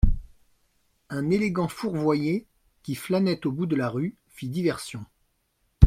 Un élégant fourvoyé qui flânait au bout de la rue, fit diversion.